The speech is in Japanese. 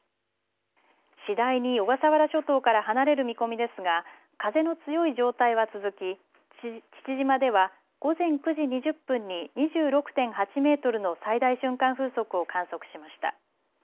次第に小笠原諸島から離れる見込みですが風の強い状態は続き父島では午前９時２０分に２６．８メートルの最大瞬間風速を観測しました。